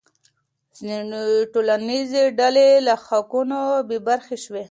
ځینې ټولنیزې ډلې له حقونو بې برخې شوې.